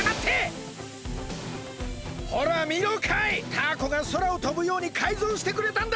タアコがそらをとぶようにかいぞうしてくれたんだ！